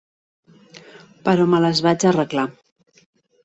Però me les vaig arreglar.